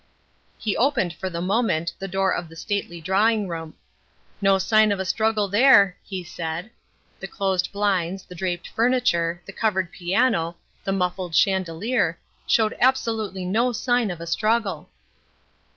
He opened for the moment the door of the stately drawing room. "No sign of a struggle there," he said. The closed blinds, the draped furniture, the covered piano, the muffled chandelier, showed absolutely no sign of a struggle.